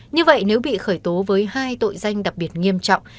như vậy nếu bị khởi tố với hai tội danh đặc biệt nghiêm trọng